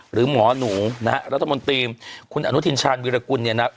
หรือหมอหนูนะฮะรัฐมนตรีคุณอนุทินชาญวิรากุลเนี่ยนะครับ